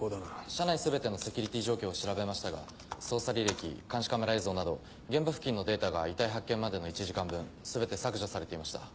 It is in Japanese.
社内全てのセキュリティー状況を調べましたが操作履歴監視カメラ映像など現場付近のデータが遺体発見までの１時間分全て削除されていました。